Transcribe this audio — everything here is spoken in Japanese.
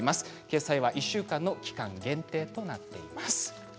掲載は１週間の期間限定となっています。